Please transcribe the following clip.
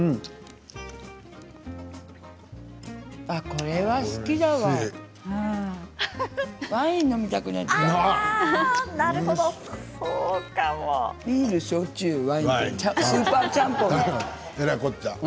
これは好きだわワイン飲みたくなっちゃう。